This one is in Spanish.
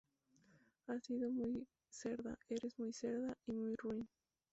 Has sido muy cerda, eres muy cerda y muy ruin.